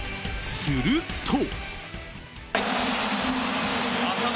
すると。